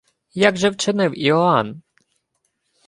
Як же вчинив Іоанн?